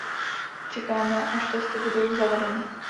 Čekáme, až testy budou zavedeny.